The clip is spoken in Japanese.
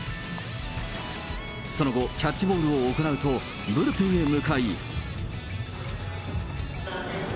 その後、キャッチボールを行うと、ブルペンへ向かい。